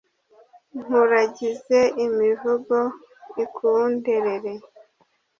nkuragize imivugo ikunderere